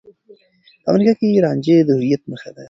په امريکا کې رانجه د هويت نښه ده.